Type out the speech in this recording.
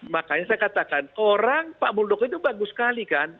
makanya saya katakan orang pak muldoko itu bagus sekali kan